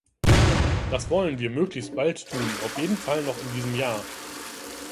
Das wollen wir möglichst bald tun, auf jeden Fall noch in diesem Jahr.